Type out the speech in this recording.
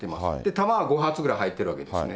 弾は５発ぐらい入ってるわけですね。